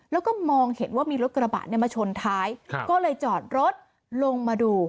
แล้วก็มองเห็นว่ามีรถกระบะมาชนท้ายก็เลยจอดรถลงมาดู